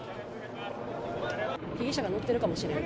被疑者が乗っているかもしれない。